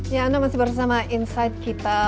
ya anda masih bersama insight kita